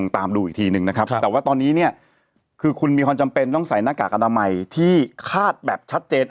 ตามดูอีกทีหนึ่งนะครับแต่ว่าตอนนี้เนี่ยคือคุณมีความจำเป็นต้องใส่หน้ากากอนามัยที่คาดแบบชัดเจน